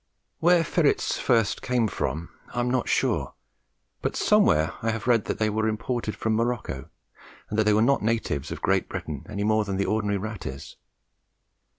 Where ferrets first came from I am not sure, but somewhere I have read that they were imported from Morocco, and that they are not natives of Great Britain any more than the ordinary rat is.